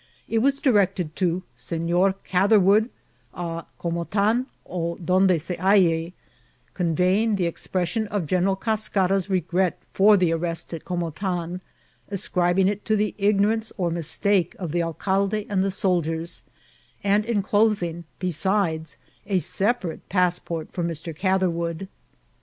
It was di rected to ^^ Senor Catherwood, k Comotan 6 donde se halle,'' conveying the expressiim of General Cascara's regret for the arrest at Ck)motan, ascribing it to the ig norance oat mistake of the alcalde and soldiers, and enclosing, besides, a separate passport for Mr. Cather wood.